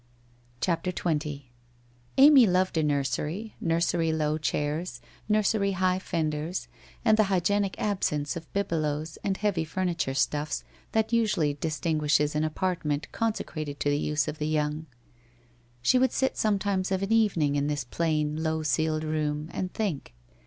CHAPTER XX Amy loved a nursery, nursery low chairs, nursery high fen ders and the hygienic absence of bibelots and heavy furni ture stuffs that usually distinguishes an apartment conse crated to the use of the young. She would sit sometimes of an evening in this plain low ceiled room and think.